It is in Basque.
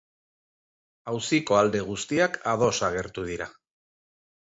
Auziko alde guztiak ados agertu dira.